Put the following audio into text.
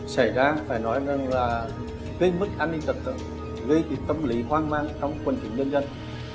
xảy ra phải nói rằng là gây mức an ninh tật tự gây tâm lý hoang mang trong quân chính nhân dân